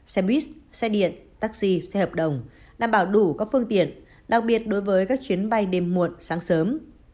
xe buýt xe điện taxi xe hợp đồng đảm bảo đủ các phương tiện đặc biệt đối với các chuyến bay đêm muộn sáng sớm